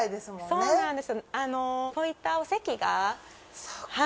そうなんです。